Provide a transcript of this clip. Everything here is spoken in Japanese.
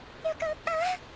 よかった。